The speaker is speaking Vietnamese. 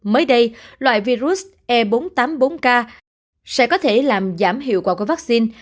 mới đây loại virus e bốn trăm tám mươi bốn k sẽ có thể làm giảm hiệu quả của vaccine